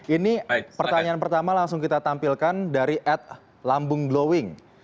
ini pertanyaan pertama langsung kita tampilkan dari at lambung glowing